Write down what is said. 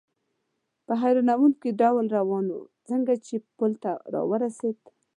په حیرانوونکي ډول روان و، څنګه چې پل ته را ورسېدل.